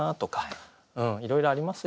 いろいろありますよね。